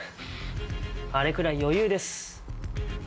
あれくらい余裕です。